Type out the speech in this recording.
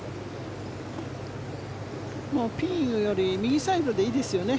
もう、ピンより右サイドでいいですよね。